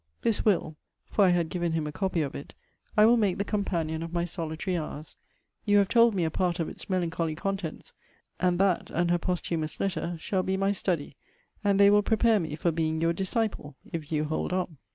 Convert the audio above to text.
This will [for I had given him a copy of it] I will make the companion of my solitary hours. You have told me a part of its melancholy contents; and that, and her posthumous letter, shall be my study; and they will prepare me for being your disciple, if you hold on.